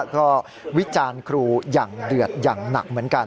ก็วิจารณ์ครูอย่างเดือดอย่างหนักเหมือนกัน